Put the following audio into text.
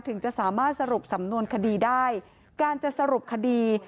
ถึงจะสามารถสรุปสำนวนคดีได้การจะสรุปคดี